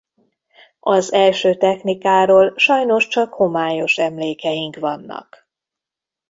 Az első technikáról sajnos csak homályos emlékeink vannak.